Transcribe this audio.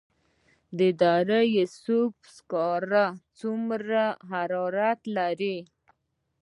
د دره صوف سکاره څومره حرارت لري؟